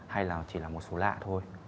hay là chỉ là một số lạ thôi